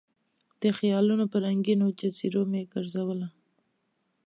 د خیالونو په رنګینو جزیرو مې ګرزوله